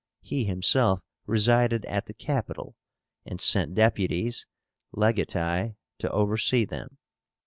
He himself resided at the capital, and sent deputies (legati) to oversee them.